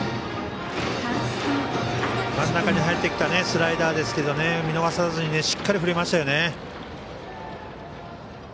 真ん中に入ってきたスライダーですけど見逃さずにしっかり振りましたね。